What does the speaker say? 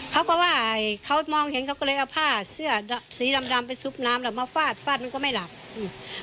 เขาก็ว่าเขามองเห็นเขาก็เลยเอาผ้าเสื้อสีดำดำไปซุบน้ำแล้วมาฟาดฟาดมันก็ไม่หลับอืม